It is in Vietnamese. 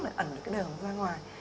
để ẩn được cái đường ra ngoài